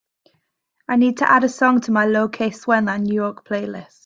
I need to add a song to my lo que suena new york playlist.